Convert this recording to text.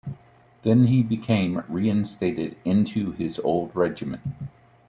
Then he became reinstated into his old regiment.